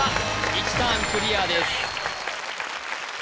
１ターンクリアです